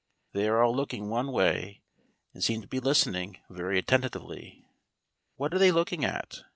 They are all looking one way, and seem to be listening very attentively. What are they looking at?